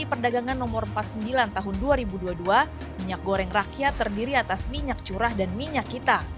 perdagangan no empat puluh sembilan tahun dua ribu dua puluh dua minyak goreng rakyat terdiri atas minyak curah dan minyak kita